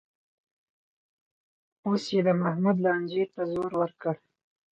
اوس یې د محمود لانجې ته زور ورکړ